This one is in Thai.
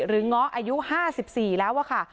หรือง้ออายุ๕๔แล้วค่ะ